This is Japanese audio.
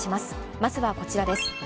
まずはこちらです。